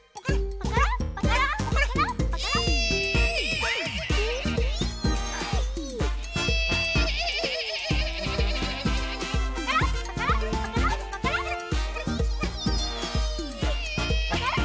パカラッパカラッ。